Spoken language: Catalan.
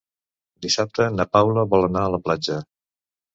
Dissabte na Paula vol anar a la platja.